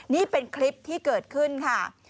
นี่เป็นคลิปที่เกิดขึ้นค่ะ